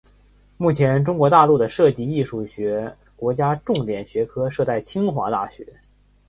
目前中国大陆的设计艺术学国家重点学科设在清华大学。